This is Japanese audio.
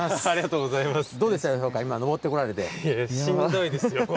しんどいですよ。